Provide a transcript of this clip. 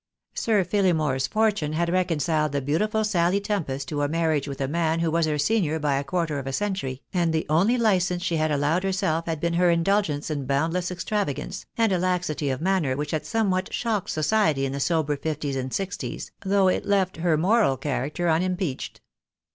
Sir Phillimore's for tune had reconciled the beautiful Sally Tempest to a marriage with a man who was her senior by a quarter of a century, and the only license she had allowed her self had been her indulgence in boundless extravagance, and a laxity of manner which had somewhat shocked society in the sober fifties and sixties, though it left her moral character unimpeached.